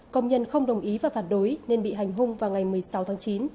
công nhân không đồng ý và phản đối nên bị hành hung vào ngày một mươi sáu tháng chín